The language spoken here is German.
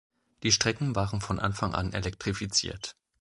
Die Strecken waren von Anfang an elektrifiziert.